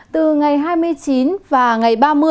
từ ngày hai mươi chín và ngày ba mươi